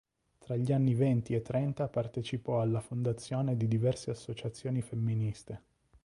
Tra gli anni Venti e Trenta partecipò alla fondazione di diverse associazioni femministe.